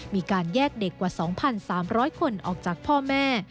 มีการแยกเด็กกว่า๒๓๐๐คนออกจากพ่อแม่